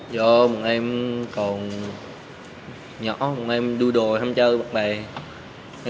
do một em còn nhỏ một em đu đồi ham chơi với bạn bè